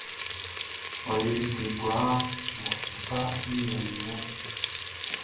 Ɔ le like kwlaa nga ɔ sa miɛn i wunʼn.